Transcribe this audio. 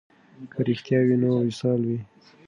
که رښتیا وي نو وصال وي.